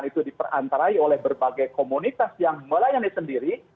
karena itu diperantarai oleh berbagai komunitas yang melayani sendiri